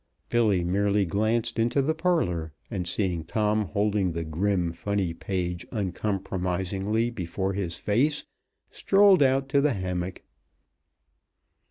Billy merely glanced into the parlor, and seeing Tom holding the grim funny page uncompromisingly before his face, strolled out to the hammock.